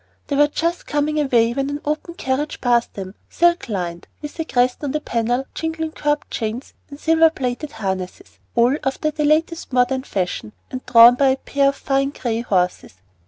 They were just coming away when an open carriage passed them, silk lined, with a crest on the panel, jingling curb chains, and silver plated harnesses, all after the latest modern fashion, and drawn by a pair of fine gray horses.